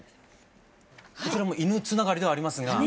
こちらも犬つながりではありますが。